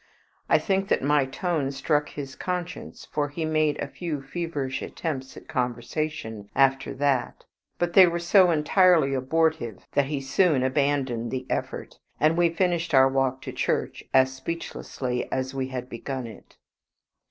I think that my tone struck his conscience, for he made a few feverish attempts at conversation after that. But they were so entirely abortive that he soon abandoned the effort, and we finished our walk to church as speechlessly as we had begun it.